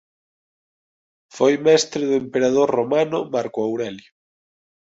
Foi mestre do emperador romano Marco Aurelio.